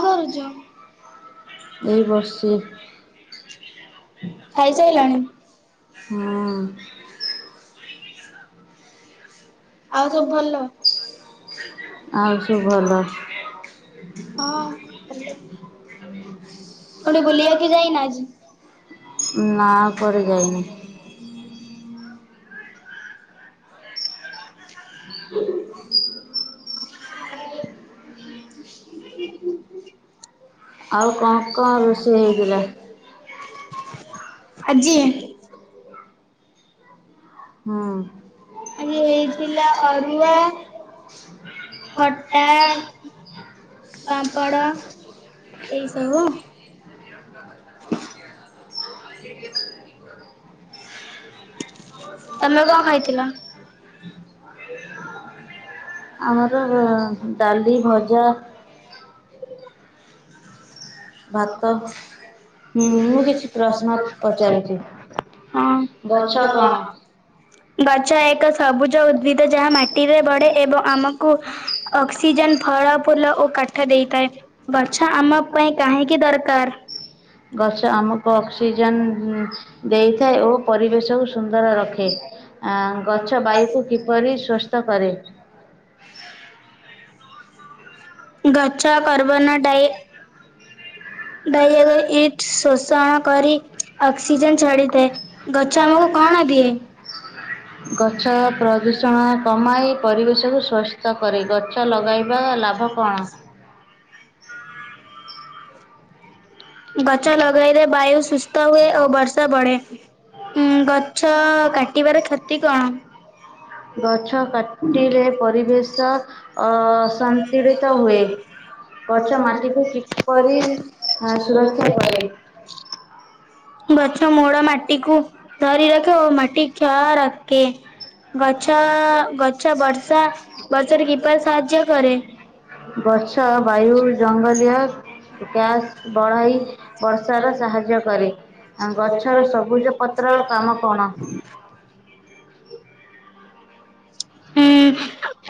[inaudible] କରୁଚ? ଖାଇସାଇଲଣି? ହୁଁ ଆଉ ସବୁ ଭଲ [inaudible] ହଁ ଭଲ। କୋଉଠି ବୁଲିବାକୁ ଯାଇନ ଆଜି? ଆଉ କଣ କଣ ରୋଷେଇ ହେଇଥିଲା? ଆଜି? ହଁ। ଖଟା, ପାମ୍ପଡ ଏଇସବୁ [inaudible] ଆମର ଡାଲି, ଭଜା [inaudible] ସକାଳୁ କରିବା ପାଇଁ। ହଁ। ଗଛ ଏକ ସବୁଜ ଉଦ୍ଭିଦ ଯାହା ମାଟିରେ ବଢେ ଏବଂ ଆମକୁ ଅକ୍ସିଜେନ୍, ଫଳ, ଫୁଲ ଓ କାଠ ଦେଇଥାଏ। ଗଛ ଆମ ପାଇଁ କାହିଁକି ଦରକାର? ଗଛ ଆମକୁ ଅକ୍ସିଜେନ୍ ଦେଇଥାଏ ଓ ପରିବେଶକୁ ସୁନ୍ଦର ରଖେ। ଆ ଗଛ ବାୟୁକୁ କିପରି ସ୍ଵସ୍ତ କରେ? ଗଛ କାର୍ବନ ଡାଇ [unintelligible] ଗଛ ପ୍ରଦୂଷ୍ ଷଣ କମାଇ ପରିବେଶକୁ ସ୍ୱସ୍ତ କରେ। ଗଛ ଲଗାଇବା ଲାଭ କଅଣ? ଗଛ ଲଗାଇଲେ ବାୟୁ ସୁସ୍ଥ ହୁଏ ଓ ବର୍ଷା ବଢେ। ଉଁ ଗଛ କାଟିବାରେ କ୍ଷତି କଣ। ଗଛ କାଟିଲେ ପରିବେଶ ଅସନ୍ତୁଳିତ ହୁଏ। ଗଛ ମାଟିକୁ କିପରି। ସୁରକ୍ଷା କରେ। ଗଛ ମୂଳ ମାଟି କୁ ଧରି ରଖେ ଓ ମାଟି କ୍ଷୟ ରଖେ। [unintelligible] ଗଛ ବାୟୁ ଜଙ୍ଗଲିଆ। [unintelligible] ବଢାଇ ବର୍ଷାର ସାହାଯ୍ୟ କରେ। ଗଛର ସବୁଜ ପତ୍ର କାମ କଣ?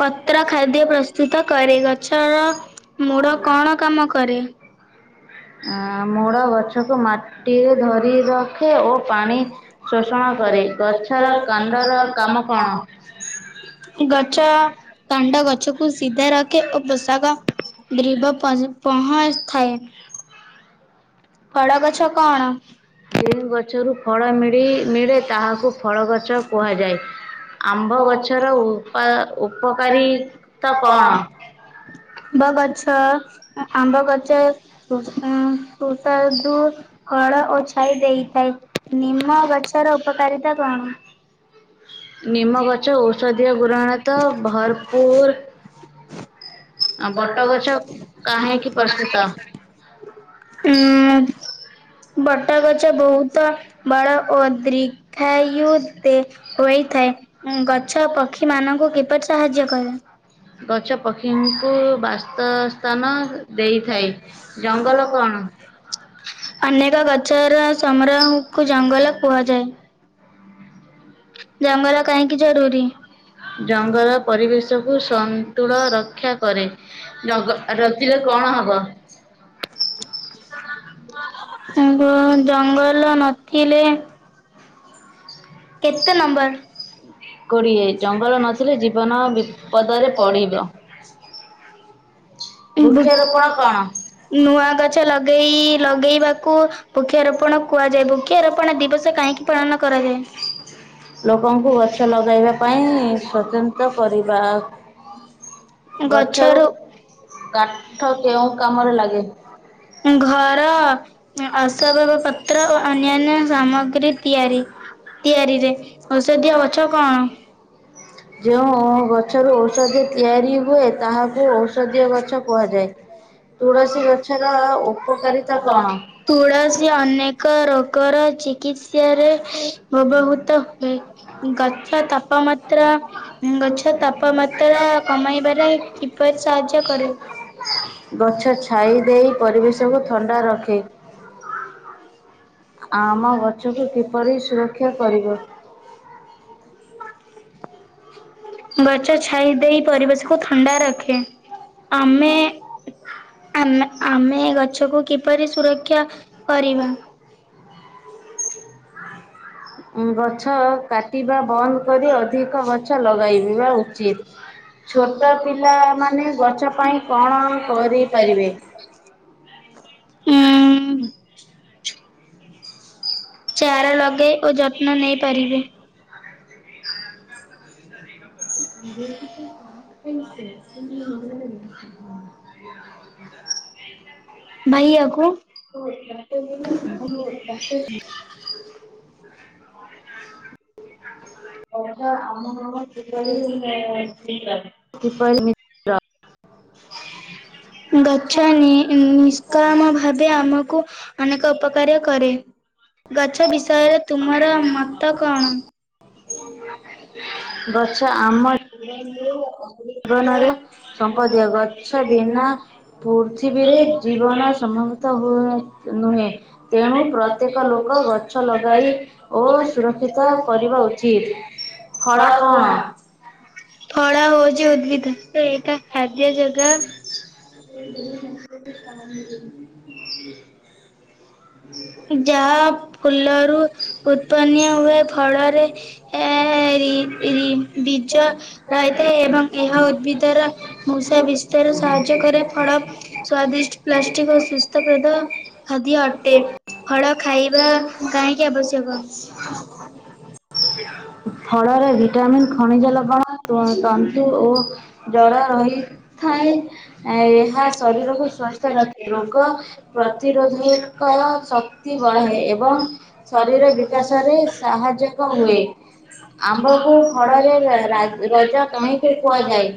ପତ୍ର ଖାଦ୍ୟ ପ୍ରସ୍ତୁତ କରେ ଗଛର ମୂଡ କଣ କାମ କରେ। ଆ ମୂଳ ଗଛକୁ ମାଟିରେ ଧରି ରଖେ ଓ ପାଣି ଶୋଷଣ କରେ ଗଛର କାଣ୍ଡର କାମ କଣ? ଗଛ କାଣ୍ଡ ଗଛକୁ ସିଧା ରଖେ ଓ ପୋଷକ ଦ୍ରିବ ପହଞ୍ଚିଥାଏ। ଯେଉଁ ଗଛରୁ ଫଳ ମିଳେ ତାହାକୁ ଫଳ ଗଛ କୁହାଯାଏ। ଆମ୍ବ ଗଛର ଉପ ଉପକାରୀତ କଣ? ଆମ୍ବ ଗଛ ଆମ୍ବ ଗଛ ତୋ ଦୁ ଫଳ ଓ ଛାଇ ଦେଇଥାଏ ନିମ ଗଛର ଉପକାରିତା କଣ? ନିମ ଗଛ ଔଷଧୀୟ ଗୁଣ ଯାତ ଭରପୁର। [inaudible] [unintelligible] ବଟ ଗଛ ବହୁତ ବଡ ଓ ଦୀର୍ଘାୟୁତ ହୋଇଥାଏ। ହୁଁ ଗଛ ପକ୍ଷୀ ମାନଙ୍କୁ କିପରି ସାହାଯ୍ୟ କରେ? ଗଛ ପକ୍ଷୀ କୁ ବାସ୍ତବ ସ୍ଥାନ ଦେଇଥାଏ ଜଙ୍ଗଲ କଣ? ଅନେକ ଗଛର ସମାରୋହୁକୁ ଜଙ୍ଗଲ କୁହାଯାଏ। ଜଙ୍ଗଲ ପରିବେଶ କୁ ସ ତୁଳନ ରକ୍ଷା କରେ ରଖିଲେ କଣ ହବ। ଜଙ୍ଗଲ ନଥିଲେ। କେତେ ଜନଙ୍କୁ। [unintelligible] କୋଡ଼ିଏ ଜଙ୍ଗଲ ନଥିଲେ ଜୀବନ ବିପଦରେ ପଡ଼ିବ। [unintelligible] ନୂଆ ଗଛ ଲଗେଇ ଲଗେଇବାକୁ ବୃକ୍ଷରୋପଣ କୁହାଯାଏ ବୃକ୍ଷରୋପଣ ଦିବସ କାହିଁକି। ପାଳନ କରାଯାଏ। ଲୋକଙ୍କୁ ଗଛ ଲଗାଇବା ପାଇଁ ସଚେତନ କରିବା। ଗଛରୁ କାଠ କେଉଁ କାମରେ ଲାଗେ। ଘର ଅସବାବ ପତ୍ର ଓ ଅନ୍ୟାନ୍ୟ ସାମଗ୍ରୀ ତିଆରି। ତିଆରି ଆଶାବାପାତ୍ର କଣ। ଯେଉଁ ଗଛରୁ ଔଷଧ ତିଆରି ହୁଏ ତାହାକୁ ଓ ଯାଇତିଅ ଗଛ କୁହାଯାଏ। ତୁଳସୀ ଅନେକ ରୋଗର ଚିକିତ୍ସାରେ। ବ୍ୟବହୃତ ହୁଏ ଗଛ ତାପମାତ୍ରା ଗଛ ତାପ ତାପ ମାତ୍ରା କମାଇବାରେ କିପରି ସାହାଯ୍ୟ କରେ। ଆମ ଗଛକୁ କିପରି ସୁରକ୍ଷା କରିବ। [inaudible] [inaudible] ଗଛ ଛାଇ ଦେଇ ପରିବେଶକୁ ଥଣ୍ଡା ରଖେ ଆମେ ଆମେ ଆମେ ଗଛକୁ କିପରି ସୁରକ୍ଷା କରିବା? [unintelligible] [unintelligible] ହୁଁ। ଚାରା ଲଗାଇ ଓ ଯତ୍ନ ନେଇ ପାରିବେ। [inaudible] [inaudible] ଭାଇ ଆକୁ [unintelligible] [unintelligible] କିପରି ମିତ୍ର ଗଛ ନି ନିଷ୍କମ ଭାବେ ଆମକୁ ଅନେକ ଉପକାର କରେ। ଗଛ ବିଷୟରେ ତୁମର ମତ କଣ? [inaudible] ପଛେ ଆମେ [unintelligible] ଜୀବନରେ ସମ୍ପଦୀୟ ଗଛ ବିନା ପୃଥିବୀରେ ଜୀବନ ସମ୍ଭପତ ହୁ ନୁହେଁ। ତେଣୁ ପ୍ରତ୍ୟେକ ଲୋକ ଗଛ ଲଗାଇ ଓ ସୁରକ୍ଷିତ କରିବା ଉଚିତ। ଫଳ କଣ? ଚି ଉଦ୍ଭିଦ ଏଇଟା ଖାଦ୍ୟ ଯୋଗ [inaudible] ଯାହା ଫୁଲରୁ ଉତ୍ପନ୍ନ ହୁଏ ଫଳରେ ଏ ରି ରି ବିଜ ରହିଥାଏ ଏବଂ ଏହା ଉଦ୍ଭିଦର ମୂଷା ବି ସାହାଯ୍ୟ କରେ ଫଳ ସ୍ଵାଦିଷ୍ଟ ପ୍ଲାଷ୍ଟିକ ଓ ସୁସ୍ଥପ୍ରଦ ଖାଦ୍ୟ ଅ ଟେ ଫଳ ଖାଇବା କାହିଁକି ଆବଶ୍ୟକ? [inaudible] ଫଳରେ ଭିଟାମିନ ଖଣିଜ ଲବଣ ତନ୍ତୁ ଓ ଜଳ ରହି। ଥାଏ ଏହା ଶରୀରକୁ ସ୍ବାସ୍ଥ୍ୟ ରଖ ରୋଗ ପ୍ରତିରୋଧ କ ଶକ୍ତି ବଢ଼ାଏ ଏବଂ ଶରୀର ବିକାଶରେ ସାହାଯୋକ ହୁଏ। ଆମ୍ବକୁ ଫଳରେ ରା ର ରଯା କାହିଁକି କୁହାଯାଏ?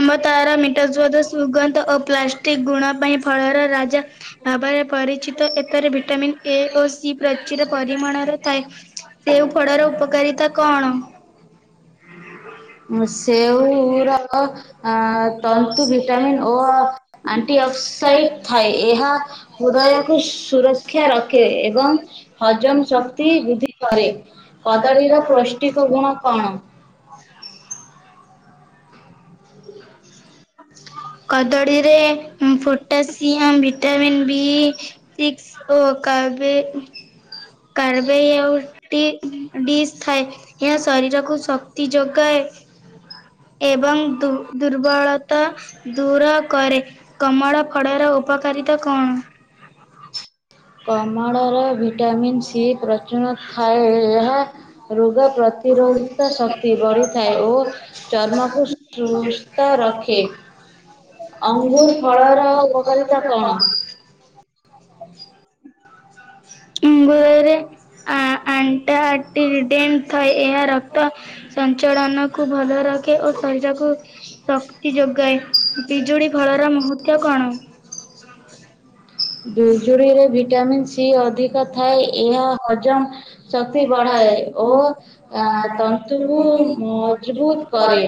ଅମ୍ବ ତାର ମିଠାସ୍ ସ୍ୱାଦ ସୁଗନ୍ଧ ଓ ପ୍ଲାଷ୍ଟିକ ଗୁଣ ପାଇଁ ଫଳର ରାଜା ଭାବରେ ପରିଚିତ ଏଥରେ ଭିଟାମିିନ ଏ ଓ ସି ପ୍ରଚୁର ପରିମାଣରେ ଥାଏ। ସେଉ ଫଳର ଉପକାରିତା କଣ? ମୁଁ ସେଉ ର ତନ୍ତୁ ଭିଟାମନ୍ ଓ ଆଣ୍ଟି ଅକ୍ସାଇଡ୍ ଥାଏ ଏହା ହୃଦୟକୁ ସୁରକ୍ଷା ରଖେ ଏବଂ ହଜମ ଶକ୍ତି ବୃଦ୍ଧି କରେ। କଦଳୀର ପୌଷ୍ଟିକ ଗୁଣ କଣ? [inaudible] କଦଳୀରେ ପୋଟାସିୟମ୍ ଭିଟାମିନ୍ ବିି ଓ କାବେ [inaudible] କାର୍ବେ ଡିସ୍ ଥାଏ ଏହା ଶରୀରକୁ ଶକ୍ତି ଯୋଗାଏ। [inaudible] ଏବଂ ଦୁ ଦୁର୍ବଳତା ଦୂର କରେ। କମଳ ଫଡର ଉପକାରିତା କଣ? କମଳାର ଭିଟାମନ୍ ସି ପ୍ରଚୁର ଥାଏ। ଏହା [unintelligible] ରୋଗ ପ୍ରତିରୋଧିତା ଶକ୍ତି ବଢିଥାଏ ଓ ଚର୍ମକୁ ସୁସ୍ଥ ରଖେ। ଅଙ୍ଗୁର୍ ଫଳର ଉପକାରିତା କଣ? ବ ଏହା ରକ୍ତ ସଞ୍ଚାଳନକୁ ଭଲ ରଖେ ଓ ଶରୀରକୁ ଶକ୍ତି ଯୋଗାଏ। ପିଜୁଳି ଫଳର ମହତ୍ତ୍ୱ କଣ? ପିଜୁଳିରେ ଭିଟାମିିନ ସି ଅଧି କ ଥାଏ, ଏହା ହଜମ ଶକ୍ତି ବଢାଏ ଓ ତ ନ୍ତୁକୁ ମଜବୁତ କରେ।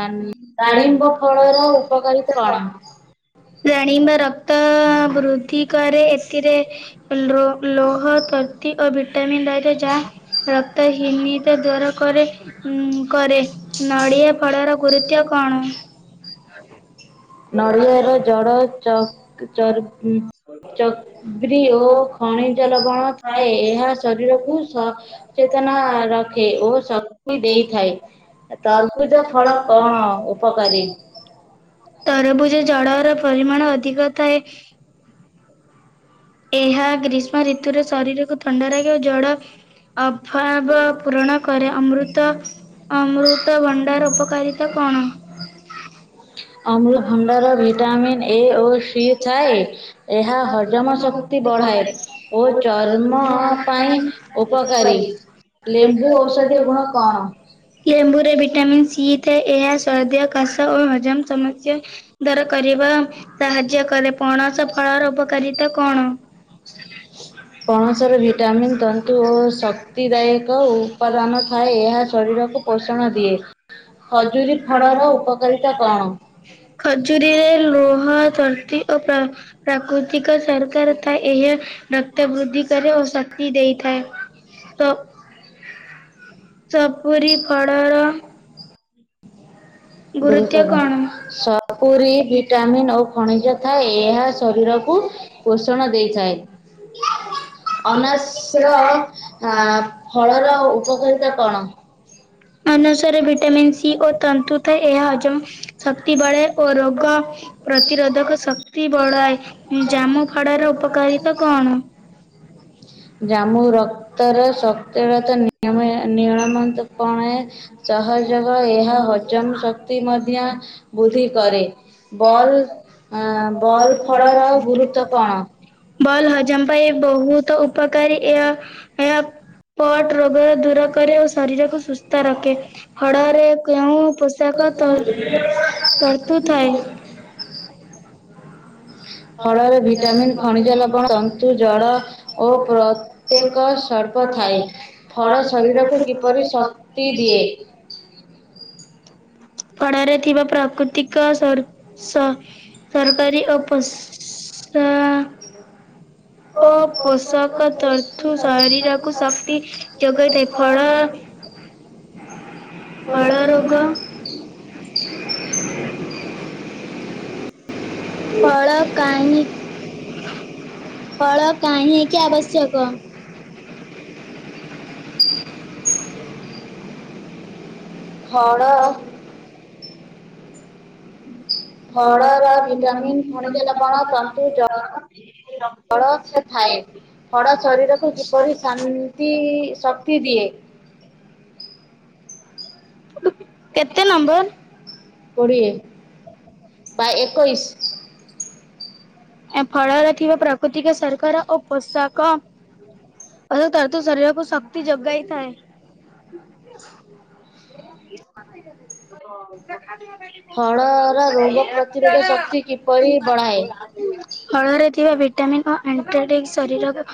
ଆ [unintelligible] ଡ଼ାଳିମ୍ବ ଫଳର ଉପକାରୀତା କଣ? ଡାଳିମ୍ବ ରକ୍ତ ବୃଦ୍ଧି କରେ। ଏଥିରେ ବ୍ରୋ ଲୋହ ତନ୍ତି ଓ ଭିଟାମିନ୍ ରହିଥାଏ, ଯାହା ରକ୍ତ ହୀନିତା ଦୂର କରେ। ଉଁ କରେ। ନଡ଼ିଆ ଫଳର ଗୁରୁତ୍ୱ କଣ? ଆ ନଡ଼ିଆର ଜଡ ଚ [unintelligible] ଚବ୍ରି ଓ ଖଣିଜ ଲବଣ ଥାଏ। ଏହା ଶରୀରକୁ ସଚେତନ ରଖେ ଓ ସ ଦେଇଥାଏ ତଟ ଫଳ କଣକୁ ପକାଯାଇଏ ତରଭୁଜ ଜଳର ପରିମାଣ ଅଧିକ ଥାଏ ଏହା ଗ୍ରୀଷ୍ମ ଋତୁରେ ଶରୀରକୁ ଥଣ୍ଡା ରଖେ ଓ ଜଡ ଅଭାବ ପୂରଣ କରେ। ଅମୃତ ଅମୃତ ଭଣ୍ଡାର ଉପକାରିତା କଣ? ଅମୃଭଣ୍ଡାର ଭିଟାମିନ ଏ ଓ ସି ଥାଏ। ଏହା ହଜମ ଶ ଶକ୍ତି ବଢ଼ାଏ ଓ ଚର୍ମ ପାଇଁ ଉପକାରୀ। ଲେମ୍ବୁ ଔଷଧୀୟ ଗୁଣ କଣ? ଲେମ୍ବୁ ରେ ଭିଟାମିନ ସି ଥାଏ, ଏହା [unintelligible] କାଶ ଓ ହଜମ ସମସ୍ୟା ଦୂର କରିବା ସାହାଯ୍ୟ କରେ। ପଣସ ଫଳର ଉପକାରିତା କଣ? କୌଣସିର ଭିଟାମିନ୍ ତନ୍ତୁ ଓ ଶକ୍ତିଦାୟକ ଉପାଦାନ ଥାଏ, ଏହା ଶରୀରକୁ ପୋଷଣ ଦିଏ। ଖଜୁରୀ ଫଳର ଉପକାରିତା କଣ? ଲୁହା, ତନ୍ତି ଓ ପ୍ରା -ପ୍ରାକୃତିକ ସରକାର ଥାଏ, ଏହା ନକ୍ତା ବୃଦ୍ଧି କରେ ଓ ଶକ୍ତି ଦେଇଥାଏ। ତ ସପୁରୀ ଫଳର ହ ଗୁରୁତ୍ୱ କଣ? ସପୁରୀ ଭିଟାମିନ୍ ଓ ଖଣିଜ ଥାଏ, ଏହା ଶରୀ ରକୁ ପୋଷଣ ଦେଇଥାଏ। ଅନାସର ଫଳର ଉପକୃତ କଣ? ମନୁଷ୍ୟରେ ଭିଟାମିନ ସି ଓ ତନ୍ତୁ ଥାଏ। ଏହା ହଜମ ଶକ୍ତି, ବଳ ଓ ରୋଗ ପ୍ରତିରୋଧକ ଶକ୍ତି ବଢାଏ। ଜାମୁ ଫଳର ଉପକାରିତା କଣ? ଜାମୁ ରକ୍ତରେ ସକ୍ତର [unintelligible] ନିୟମ କଣ? ସହଯୋଗ, ଏହା ହଜମ ଶକ୍ତି ମଧ୍ୟ ବୃଦ୍ଧି କରେ। ବଲ୍, ବଲ୍ ଫଳର ଗୁରୁତ୍ୱ କଣ? ବଲ୍ ହଜମ ପାଇଁ ବହୁତ ଉପକାରୀ, ଏହା ଏହା ପଟ ରୋଗ ଦୂର କରେ ଓ ଶରୀରକୁ ସୁସ୍ଥ ରଖେ। ଫଳରେ କେଉଁ ପ ପ୍ରତ୍ୟେକ ତ ତନ୍ତୁ ଥାଏ। ଫଳରେ ଭିଟାମିିନ ଖଣିଜ ଲବଣ ତନ୍ତୁ ଜଡ଼ ଓ ପ୍ରତ୍ୟେକ ସଳ୍ପ ଥାଏ। ଫଳ ଶରୀରକୁ କିପରି ଶକ୍ତି ଦିଏ? ପଲେ କିବା ପ୍ରାକୃତିକାର ହ ହ ବଷ କଛି ଆସିଛିତେ ପରିବାର ଲୋକମାନେ ଫଳ କାହିଁ ଫଳ କାହିଁକି ଆବଶ୍ୟକ? ଫଳ ଫଳର ଭିଟାମିନ୍ ଖଣିଜ ଲବଣ ତନ୍ତୁ ଜ ହଳ ଥାଏ ଫଡ଼ ଶରୀରକୁ କିପରି ଶାନ୍ତି ଶକ୍ତି ଦିଏ। କେତେ ନମ୍ବର? କୋଡିଏ ବା ଏକୋଇଶ। ଏ ଫଳରେ ଥିବା ପ୍ରାକୃତିକ ଶର୍କାରର ଓ ପୋଷାକ ଅ ତର ତ ଶରିର କୁ ଶକ୍ତି ଜଗାଇ ଥାଏ ଫଳର ରୋଗ ପ୍ରତିରୋଧ ଶକ୍ତି କିପରି ବଢ଼ାଏ। ଫଳରେ ଥିବା ଭିଟାମିନ୍ ଓ ଆଣ୍ ଶରୀରକୁ